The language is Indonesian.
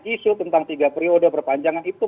isu tentang tiga periode perpanjangan itu